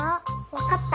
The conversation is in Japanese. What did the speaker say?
わかった！